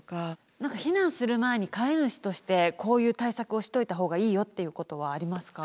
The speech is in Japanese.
何か避難する前に飼い主としてこういう対策をしといた方がいいよっていうことはありますか？